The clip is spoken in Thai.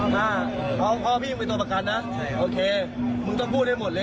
ทุกคนรักมึงหมดแต่มึงผงมึงทั้งทุกคนเลย